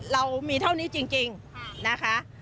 เรามีเท่านี้จริงนะคะ